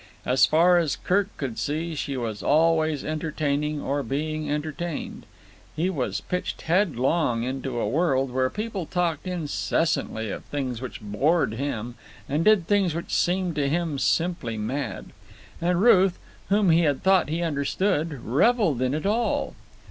As far as Kirk could see, she was always entertaining or being entertained. He was pitched head long into a world where people talked incessantly of things which bored him and did things which seemed to him simply mad. And Ruth, whom he had thought he understood, revelled in it all.